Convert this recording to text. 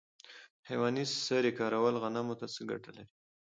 د حیواني سرې کارول غنمو ته څه ګټه لري؟